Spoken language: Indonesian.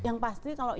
yang pasti kalau yang